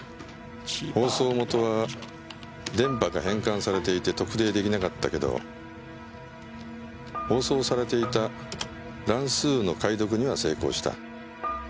放送元は電波が変換されていて特定できなかったけど放送されていた乱数の解読には成功した。